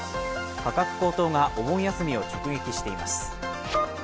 価格高騰がお盆休みを直撃しています。